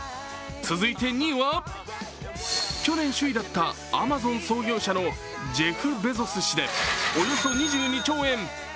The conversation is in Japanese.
２位は去年首位だったアマゾン創業者のジェフ・ベゾス氏でおよそ２２兆円。